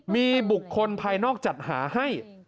มีบุคคลภายนอกจัดหาให้